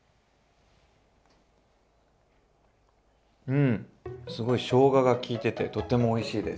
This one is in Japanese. うんすごいしょうがが効いててとてもおいしいです。